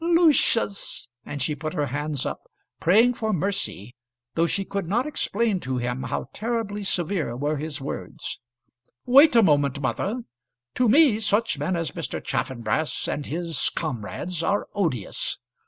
"Lucius!" And she put her hands up, praying for mercy, though she could not explain to him how terribly severe were his words. "Wait a moment, mother. To me such men as Mr. Chaffanbrass and his comrades are odious.